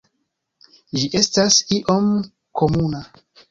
Ĝi estas iom komuna.